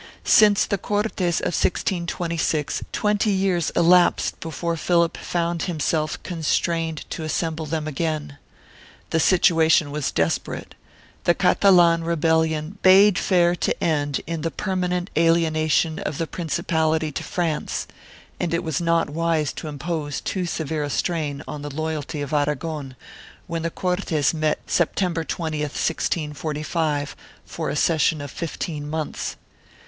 Since the Cortes of 1626 twenty years elapsed before Philip found himself constrained to assemble them again. The situation was desperate; the Catalan rebellion bade fair to end in the permanent alienation of the Principality to France, and it was not wise to impose too severe a strain on the loyalty of Aragon, when the Cortes met Septem ber 20, 1645, for a session of fifteen months.